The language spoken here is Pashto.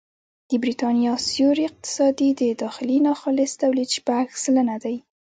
د بریتانیا سیوري اقتصاد د داخلي ناخالص توليد شپږ سلنه دی